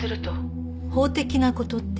法的な事って？